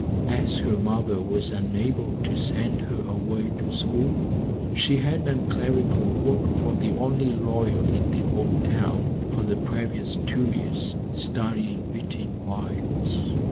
As her mother was unable to send her away to school, she had done clerical work for the only lawyer in the home town for the previous two years, studying between whiles.